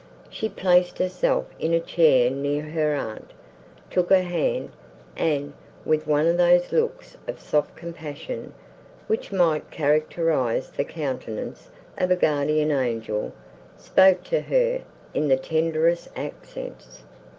She placed herself in a chair near her aunt, took her hand, and, with one of those looks of soft compassion, which might characterise the countenance of a guardian angel, spoke to her in the tenderest accents.